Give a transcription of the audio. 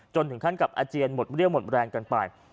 ถึงขั้นกับอาเจียนหมดเรี่ยวหมดแรงกันไป